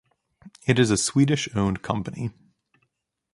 It is a Swedish owned company.